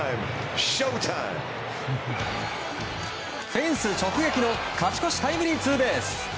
フェンス直撃の勝ち越しタイムリーツーベース！